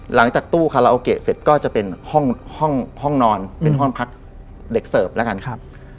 หลังจากตู้คาราโอเกะเสร็จก็จะเป็นห้องห้องนอนเป็นห้องพักเด็กเสิร์ฟแล้วกันครับ